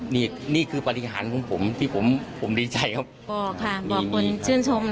นี่นี่คือปฏิหารของผมที่ผมผมดีใจครับบอกค่ะบอกคนชื่นชม